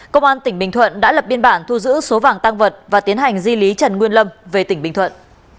công an tỉnh bình thuận đã lập biên bản thu giữ số vàng tăng vật và tiến hành di lý trần nguyên lâm về tỉnh bình thuận